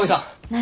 何？